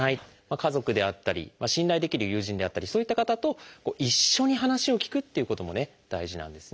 家族であったり信頼できる友人であったりそういった方と一緒に話を聞くっていうことも大事なんですね。